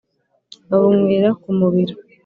babunywera ku mubira.